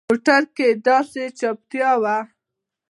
په موټر کښې داسې چوپتيا وه.